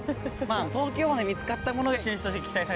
東京湾で見つかったもので新種として期待された。